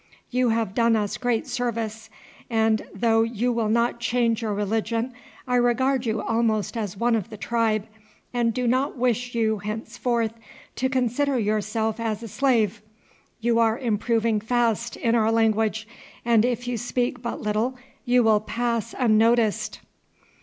You have done us great service, and though you will not change your religion I regard you almost as one of the tribe, and do not wish you henceforth to consider yourself as a slave. You are improving fast in our language, and if you speak but little you will pass unnoticed.